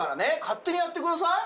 勝手にやってください。